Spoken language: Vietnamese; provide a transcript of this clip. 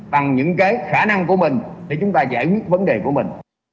bằng những cái khả năng của mình để chúng ta giải quyết vấn đề của mình